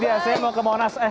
terima kasih mutia